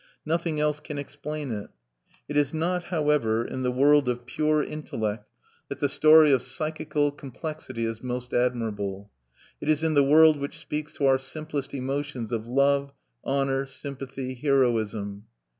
Nothing else can explain it.... It is not however, in the world of pure intellect that the story of psychical complexity is most admirable: it is in the world which speaks to our simplest emotions of love honor, sympathy, heroism.